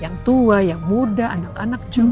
yang tua yang muda anak anak juga